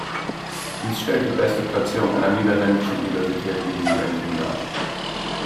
Dies stellt die beste Platzierung einer niederländischen Universität in diesem Ranking dar.